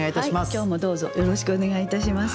今日もどうぞよろしくお願いいたします。